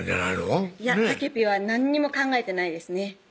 いやたけぴは何にも考えてないですね